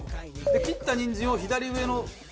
切ったにんじんを左上の。